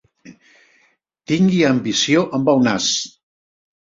Tingui ambició amb el nas.